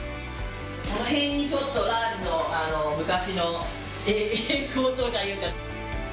この辺にちょっと、ラーズの昔の栄光というか。